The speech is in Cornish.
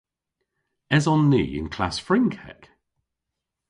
Eson ni y'n klass Frynkek?